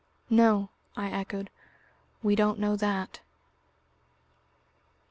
"No," I echoed, "we don't know that."